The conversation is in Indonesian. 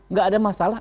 nggak ada masalah